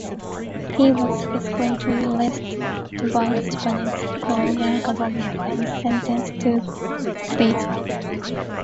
He was subsequently arrested by the Japanese colonial government and sentenced to prison.